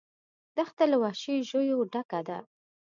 دښته له وحشي ژویو ډکه ده.